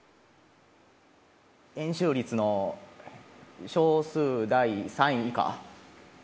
円周率の小数第３位以下。